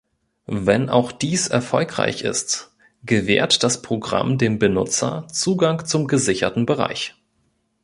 Wenn auch dies erfolgreich ist, gewährt das Programm dem Benutzer Zugang zum gesicherten Bereich.